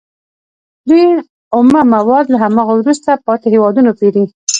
دوی اومه مواد له هماغو وروسته پاتې هېوادونو پېري